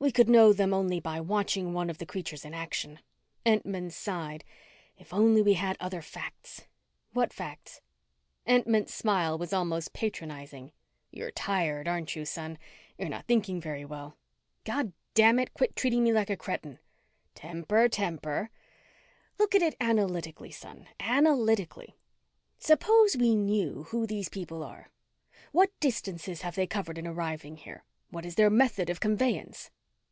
We could know them only by watching one of the creatures in action." Entman sighed. "If we only had other facts." "What facts?" Entman's smile was almost patronizing. "You're tired, aren't you, son? You're not thinking very well." "Goddamn it! Quit treating me like a cretin!" "Temper, temper! Look at it analytically, son, analytically. Suppose we knew who these people are. What distances have they covered in arriving here? What is their method of conveyance?"